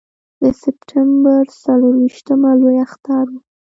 د سپټمبر څلرویشتمه لوی اختر و.